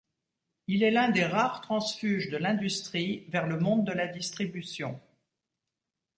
Il est l'un des rares transfuges de l'industrie vers le monde de la distribution.